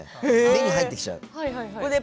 目に入ってきちゃう。